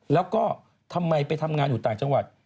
แล้วก็ทำไมไปทำงานอยู่ต่างจังหวัด